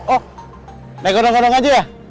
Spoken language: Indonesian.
oh naik gondong gondong aja ya